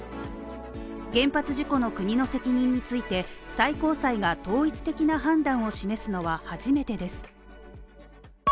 原発事故の国の責任について、最高裁が統一的な判断を示すのは初めてです。